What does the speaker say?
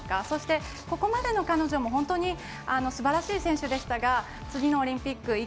そしてここまでの彼女も本当にすばらしい選手でしたが次のオリンピック。